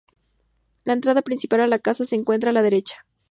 La entrada principal a la casa se encuentra a la derecha.